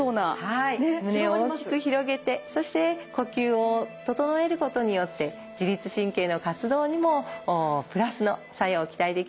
はい胸を大きく広げてそして呼吸を整えることによって自律神経の活動にもプラスの作用期待できるかと思います。